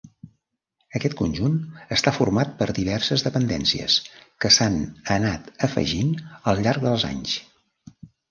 Aquest conjunt està format per diverses dependències que s'han anat afegint al llarg dels anys.